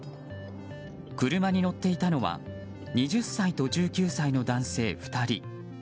車に乗っていたのは２０歳と１９歳の男性２人。